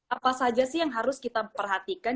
apa saja sih yang harus kita perhatikan